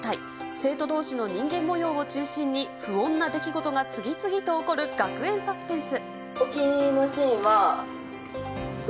生徒どうしの人間もようを中心に、不穏な出来事が次々と起こる学園サスペンス。